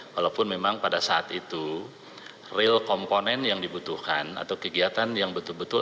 walaupun memang pada saat itu real komponen yang dibutuhkan atau kegiatan yang betul betul